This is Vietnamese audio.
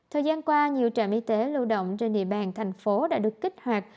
thời gian qua nhiều trạm y tế lưu động trên địa bàn thành phố đã được kích hoạt